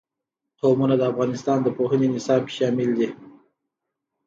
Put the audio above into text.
قومونه د افغانستان د پوهنې نصاب کې شامل دي.